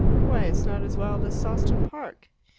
"Why, it's not as wild as Sawston Park!"